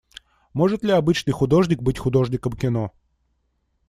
Может ли обычный художник быть художником кино?